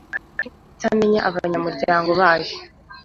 ni ukutamenya abanyamuryango bayo